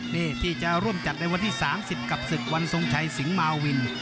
นี่ที่จะร่วมจัดในวันที่๓๐กับศึกวันทรงชัยสิงหมาวิน